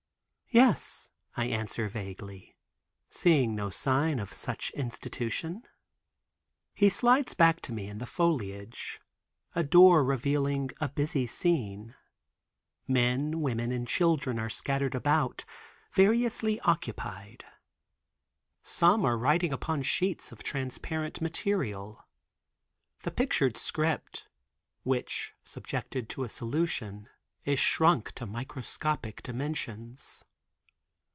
"Yes," I answer vaguely, seeing no sign of such institution. He slides back of me in the foliage, a door revealing a busy scene: Men, women and children are scattered about, variously occupied. Some are writing upon sheets of transparent material. The pictured script, which subjected to a solution, is shrunk to microscopic dimensions.